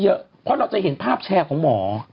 เพราะเราจะเห็นภาพแชร์ของหมอ